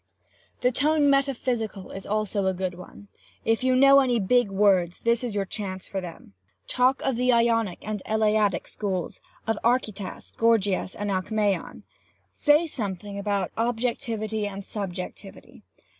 "The tone metaphysical is also a good one. If you know any big words this is your chance for them. Talk of the Ionic and Eleatic schools—of Archytas, Gorgias, and Alcmaeon. Say something about objectivity and subjectivity.